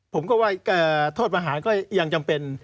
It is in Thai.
ผมก็ว่าโทษประหารก็ยังจำเป็น